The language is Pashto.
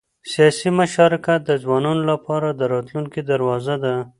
سیاسي مشارکت د ځوانانو لپاره د راتلونکي دروازه ده